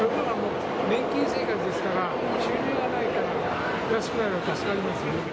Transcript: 年金生活ですから、収入がないから、安くなるなら助かりますよね。